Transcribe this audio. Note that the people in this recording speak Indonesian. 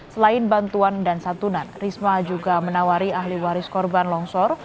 selain bantuan dan santunan risma juga menawari ahli waris korban longsor